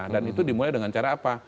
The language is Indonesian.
dan itu dimulai dengan cara apa